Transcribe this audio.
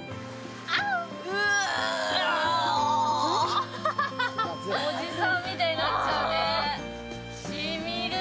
うぉ、おじさんみたいになっちゃうね、しみる。